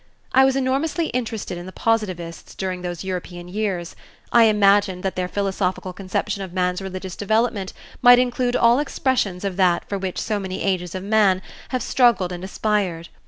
I was enormously interested in the Positivists during these European years; I imagined that their philosophical conception of man's religious development might include all expressions of that for which so many ages of men have struggled and aspired.